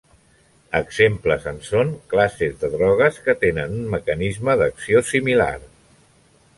Exemples en són classes de drogues que tenen un mecanisme d'acció similar.